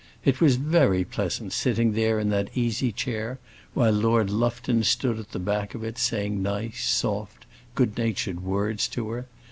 It was very pleasant sitting there in that easy chair, while Lord Lufton stood at the back of it saying nice, soft, good natured words to her.